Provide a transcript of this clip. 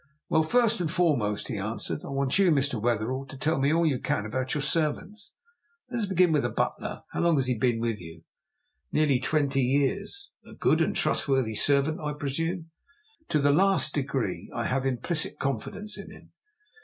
"Well, first and foremost," he answered, "I want you, Mr. Wetherell, to tell me all you can about your servants. Let us begin with the butler. How long has he been with you?" "Nearly twenty years." "A good and trustworthy servant, I presume?" "To the last degree. I have implicit confidence in him."